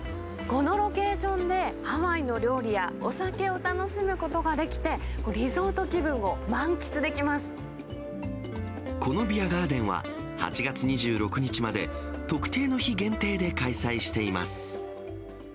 このロケーションで、ハワイの料理やお酒を楽しむことができて、このビアガーデンは、８月２６日まで、特定の日限定で開催しています。